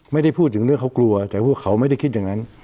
ไม่ได้พูดถึงเรื่องเขากลัวแต่พวกเขาไม่ได้คิดอย่างนั้น